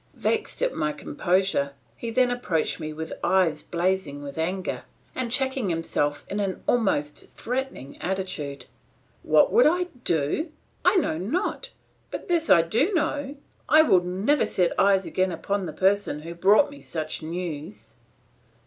Vexed at my composure, he then approached me with eyes blazing with anger; and checking himself in an almost threatening attitude, "What would I do? I know not; but this I do know, I would never set eyes again upon the person who brought me such news."